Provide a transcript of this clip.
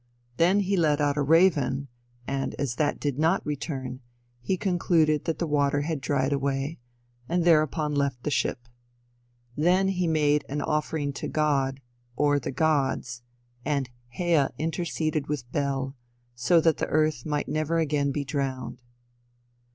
Then he let out a raven, and as that did not return, he concluded that the water had dried away, and thereupon left the ship. Then he made an offering to god, or the gods, and "Hea interceded with Bel," so that the earth might never again be drowned.